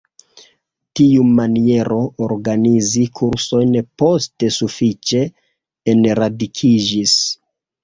Tiu maniero organizi kursojn poste sufiĉe enradikiĝis.